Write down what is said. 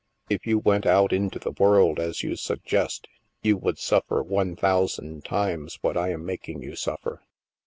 If you went out into the world, as you suggest, you would suffer one thousand times what I am making you suffer.